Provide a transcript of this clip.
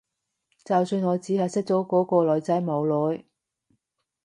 就算我只係識咗嗰個女仔冇耐